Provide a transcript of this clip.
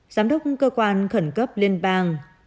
giám đốc cơ quan khẩn cấp liên bang